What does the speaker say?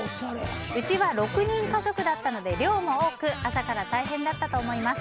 うちは６人家族だったので量も多く朝から大変だったと思います。